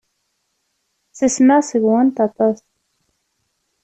Ttasmeɣ seg-went aṭas.